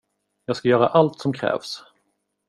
Jag ska göra allt som krävs.